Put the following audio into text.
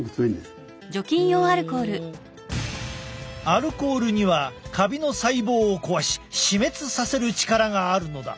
アルコールにはカビの細胞を壊し死滅させる力があるのだ。